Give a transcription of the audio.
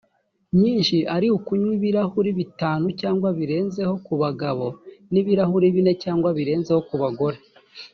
nyinshi ari ukunywa ibirahuri bitanu cyangwa birenzeho ku bagabo n’ibirahuri bine cyangwa birenzeho ku bagore